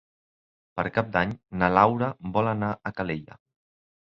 Per Cap d'Any na Laura vol anar a Calella.